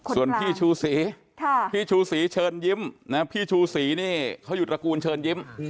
ส่วนพี่ชูศรีพี่ชูศรีเชิญยิ้มพี่ชูศรีนี่เขาอยู่ตระกูลเชิญยิ้ม